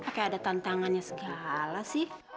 gak kaya ada tantangannya segala sih